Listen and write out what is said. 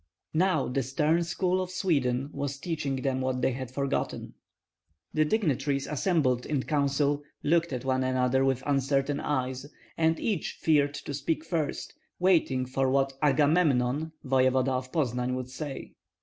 Now the stern school of Sweden was teaching them what they had forgotten. The dignitaries assembled in council looked at one another with uncertain eyes, and each feared to speak first, waiting for what "Agamemnon," voevoda of Poznan, would say.